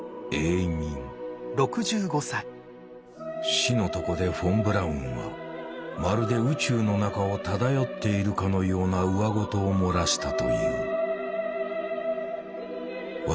死の床でフォン・ブラウンはまるで宇宙の中を漂っているかのようなうわごとを漏らしたという。